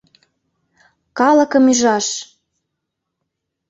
Калыкым ӱжаш!..